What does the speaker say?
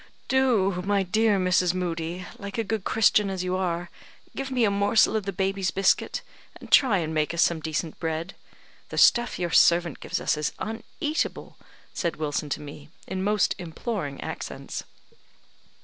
"Do, my dear Mrs. Moodie, like a good Christian as you are, give me a morsel of the baby's biscuit, and try and make us some decent bread. The stuff your servant gives us is uneatable," said Wilson to me, in most imploring accents.